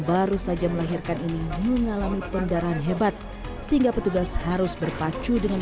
baru saja melahirkan ini mengalami pendarahan hebat sehingga petugas harus berpacu dengan